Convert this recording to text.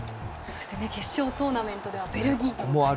決勝トーナメントではベルギーと。